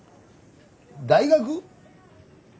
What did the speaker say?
大学？